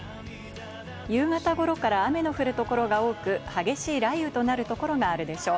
夕方ごろから雨の降るところが多く、激しい雷雨となるところがあるでしょう。